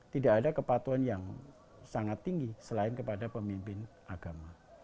tidak ada kepatuhan yang sangat tinggi selain kepada pemimpin agama